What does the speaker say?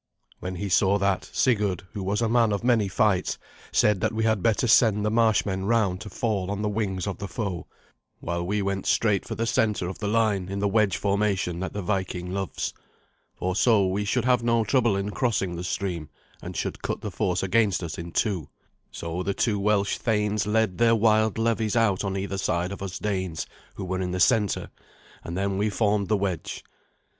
When he saw that, Sigurd, who was a man of many fights, said that we had better send the marshmen round to fall on the wings of the foe, while we went straight for the centre of the line in the wedge formation that the Viking loves. For so we should have no trouble in crossing the stream, and should cut the force against us in two. So the two Welsh thanes led their wild levies out on either side of us Danes, who were in the centre, and then we formed the wedge.